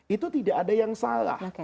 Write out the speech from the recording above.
itu tidak ada yang salah